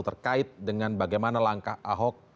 terkait dengan bagaimana langkah ahok